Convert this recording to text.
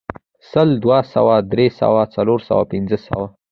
سل، دوه سوه، درې سوه، څلور سوه، پنځه سوه